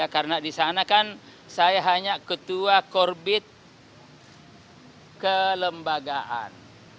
karena di sana kan saya hanya ketua korbit kelembagaan